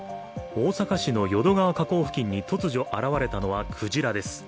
大阪市の淀川河口付近に突如現れたのはクジラです。